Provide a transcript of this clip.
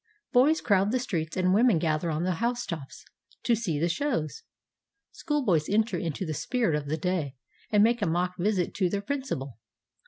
Boys crowd the streets, and women gather on the housetops, to see the shows. School boys enter into the spirit of the day and make a mock visit to their principal.